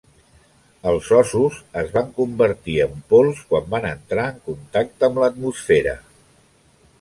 Els ossos es van convertir en pols quan van entrar en contacte amb l'atmosfera.